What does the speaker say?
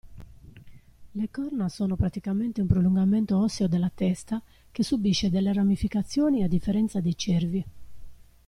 Le corna sono praticamente un prolungamento osseo della testa che subisce delle ramificazioni a differenza dei cervi.